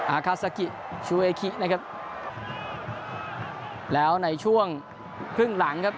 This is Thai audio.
อาคาซากิชูเอคินะครับแล้วในช่วงครึ่งหลังครับ